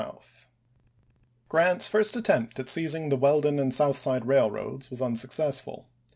xviil south. Grant's first attempt at seizing the Weldon and South Side railroads was unsuccessful.